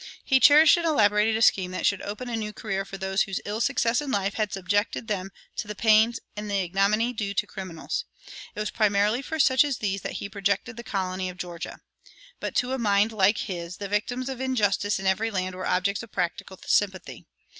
He cherished and elaborated a scheme that should open a new career for those whose ill success in life had subjected them to the pains and the ignominy due to criminals. It was primarily for such as these that he projected the colony of Georgia. But to a mind like his the victims of injustice in every land were objects of practical sympathy.